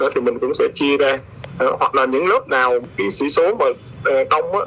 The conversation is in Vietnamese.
thì mình cũng sẽ chia ra hoặc là những lớp nào số số mà đông